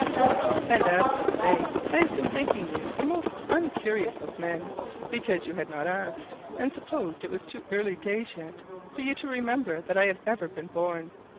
And as for the day: I have been thinking you the most uncurious of men, because you had not asked: and supposed it was too early days yet for you to remember that I had ever been born.